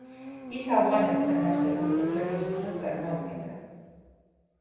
ის ავღანეთთან არსებულ ბუფერულ ზონას წარმოადგენდა.